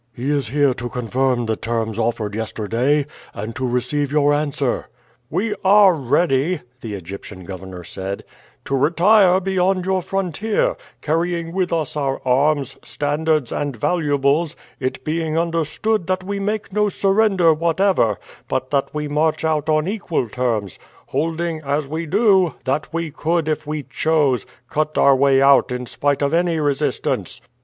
"He is here to confirm the terms offered yesterday, and to receive your answer." "We are ready," the Egyptian governor said, "to retire beyond your frontier, carrying with us our arms, standards, and valuables, it being understood that we make no surrender whatever, but that we march out on equal terms, holding, as we do, that we could, if we chose, cut our way out in spite of any resistance."